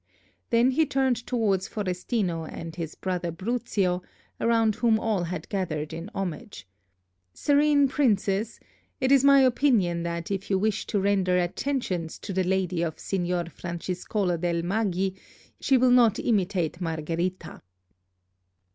Then he turned towards Forestino and his brother Bruzio, around whom all had gathered in homage: "Serene Princes, it is my opinion that if you wish to render attentions to the lady of Signor Franciscolo del Maggi, she will not imitate Margherita."